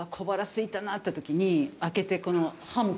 すいたなって時に開けてハム